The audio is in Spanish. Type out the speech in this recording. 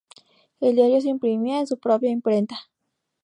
El diario se imprimía en su propia imprenta.